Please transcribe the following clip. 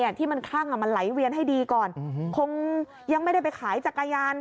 ที่มันคลั่งอ่ะมันไหลเวียนให้ดีก่อนคงยังไม่ได้ไปขายจักรยาน